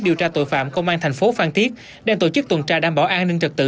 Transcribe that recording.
điều tra tội phạm công an thành phố phan thiết đang tổ chức tuần tra đảm bảo an ninh trật tự